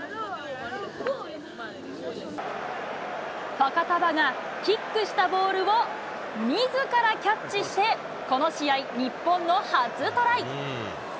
ファカタヴァが、キックしたボールを、みずからキャッチして、この試合、日本の初トライ。